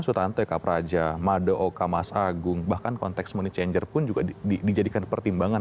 sultante kapraja mada oka mas agung bahkan konteks money changer pun juga dijadikan pertimbangan